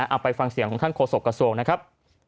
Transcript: เอาไปฟังเสียงของท่านโฆษกระทรวงนะครับ